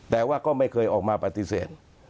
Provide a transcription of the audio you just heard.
แต่ว่าก็ไม่เคยออกมาปฏิเสธ